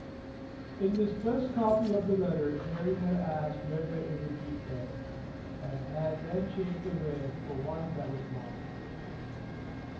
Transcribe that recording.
(In his first copy of the letter Harry had asked whether it would be "fair," and had then changed the word for one that was milder.)